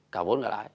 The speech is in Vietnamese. cả vốn cả lãi